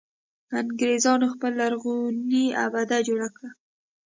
انګرېزانو خپله لرغونې آبده جوړه کړه.